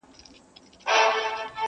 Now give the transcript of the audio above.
راڅخه پاته دا وطن دی اشنا نه راځمه,